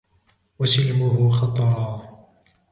وَسِلْمُهُ خَطَرًا